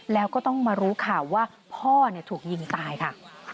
แล้วก็ต้องมารู้ข่าวว่าพ่อถูกยิงตายค่ะ